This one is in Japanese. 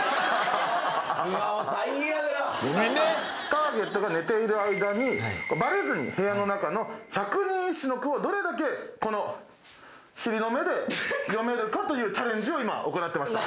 ターゲットが寝ている間にバレずに部屋の中の百人一首の句をどれだけこの尻の目で詠めるかというチャレンジを今行ってました。